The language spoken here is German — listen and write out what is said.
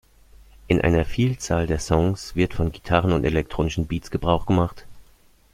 In einer Vielzahl der Songs wird von Gitarren und elektronischen Beats Gebrauch gemacht.